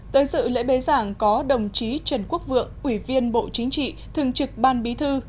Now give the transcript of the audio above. tới sự lễ bế giảng có đồng chí trần quốc vượng ủy viên bộ chính trị thường trực ban bí thư